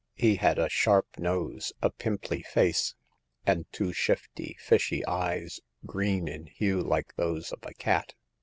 He had a sharp nose, a pimply face, and two shifty, fishy eyes, green in hue like those of a cat.